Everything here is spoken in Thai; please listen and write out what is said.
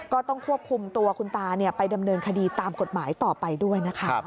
ก็ต้องควบคุมตัวคุณตาไปดำเนินคดีตามกฎหมายต่อไปด้วยนะคะ